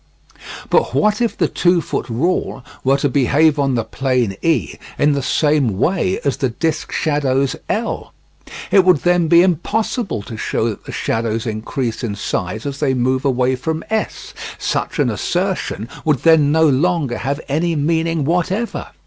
But what if the two foot rule were to behave on the plane E in the same way as the disc shadows L'? It would then be impossible to show that the shadows increase in size as they move away from S; such an assertion would then no longer have any meaning whatever.